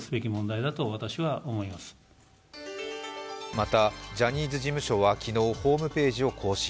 またジャニーズ事務所は昨日、ホームページを更新。